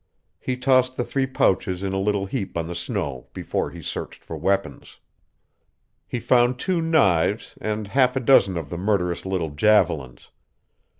He tossed the three pouches in a little heap on the snow before he searched for weapons. He found two knives and half a dozen of the murderous little javelins.